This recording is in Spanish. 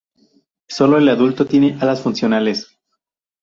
Solo el adulto tiene alas funcionales.